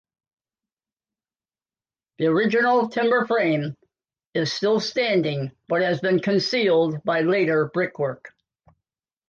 The original timber frame is still standing but has been concealed by later brickwork.